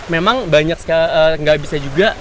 memang banyak sekali nggak bisa juga